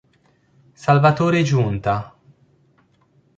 Salvatore Giunta